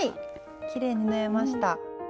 きれいに縫えました。